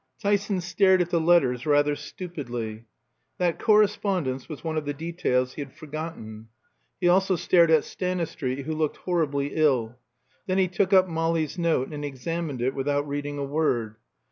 Tyson stared at the letters rather stupidly. That correspondence was one of the details he had forgotten. He also stared at Stanistreet, who looked horribly ill. Then he took up Molly's note and examined it without reading a word.